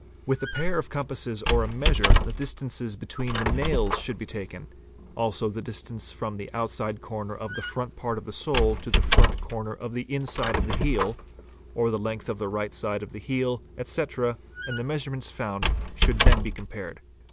With a pair of compasses or a measure the distances between the nails should be taken, also the dis tance from the outside corner of the front part of the sole to the front eorner of the inside of the heel, or the length of the right side of the heel, etc., and the measurements found should then be compared.